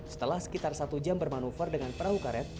setelah sekitar satu jam bermanuver dengan perahu karet